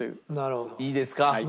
いいですか？